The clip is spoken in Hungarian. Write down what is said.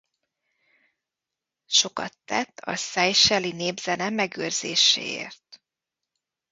Sokat tett a Seychelle-i népzene megőrzéséért.